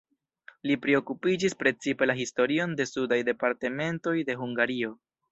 Li priokupiĝis precipe la historion de sudaj departementoj de Hungario.